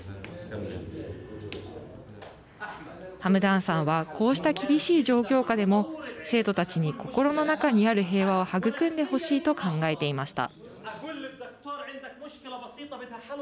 ハムダーンさんはこうした厳しい状況下でも生徒たちに心の中にある平和を育んでほしいと考えていました。